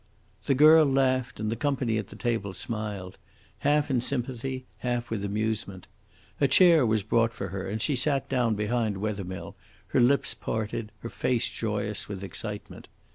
The girl laughed, and the company at the table smiled, half in sympathy, half with amusement. A chair was brought for her, and she sat down behind Wethermill, her lips parted, her face joyous with excitement.